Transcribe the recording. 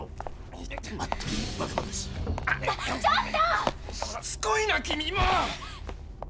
しつこいな君も！